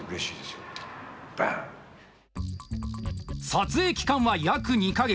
撮影期間は約２か月。